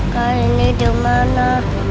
kak ini dimana